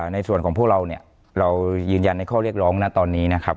ในส่วนของพวกเราเนี่ยเรายืนยันในข้อเรียกร้องนะตอนนี้นะครับ